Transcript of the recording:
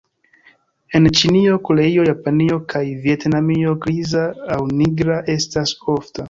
En Ĉinio, Koreio, Japanio kaj Vjetnamio griza aŭ nigra estas ofta.